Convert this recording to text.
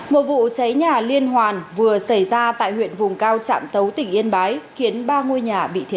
một vụ cháy nhà liên hoàn vừa xảy ra tại huyện vùng cao trạm tấu tỉnh yên bái